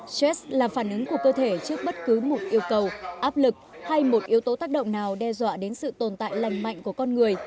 stress là phản ứng của cơ thể trước bất cứ một yêu cầu áp lực hay một yếu tố tác động nào đe dọa đến sự tồn tại lành mạnh của con người